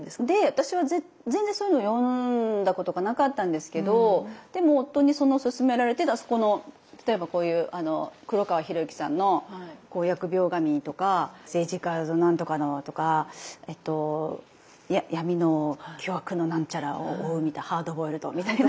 私は全然そういうのを読んだことがなかったんですけどでも夫にすすめられてこの例えばこういう黒川博行さんの「疫病神」とか政治家何とかのとか闇の巨悪の何ちゃらを追うみたいなハードボイルドみたいな。